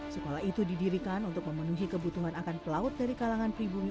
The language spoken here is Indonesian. sekolah itu didirikan untuk memenuhi kebutuhan akan pelaut dari kalangan pribumi